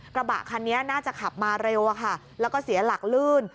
กระบะคันนี้น่าจะขับมาเร็วอะค่ะแล้วก็เสียหลักลื่น